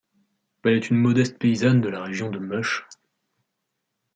Elle est une modeste paysanne de la région de Mush.